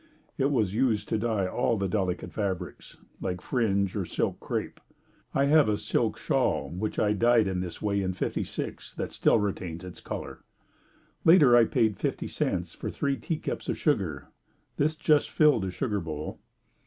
It was used to dye all delicate fabrics, like fringe or silk crepe. I have a silk shawl which I dyed in this way in '56 that still retains its color. Later I paid 50c for three teacups of sugar. This just filled a sugar bowl.